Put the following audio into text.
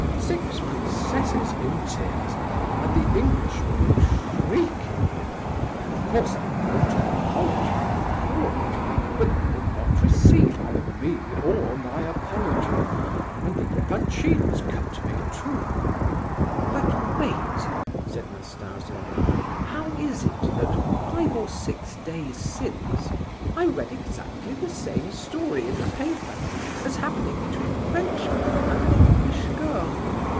Six princesses in tears, and the Englishwoman shrieking! "Of course I wrote an apology, and called, but they would not receive either me or my apology, and the Epanchins cut me, too!" "But wait," said Nastasia. "How is it that, five or six days since, I read exactly the same story in the paper, as happening between a Frenchman and an English girl?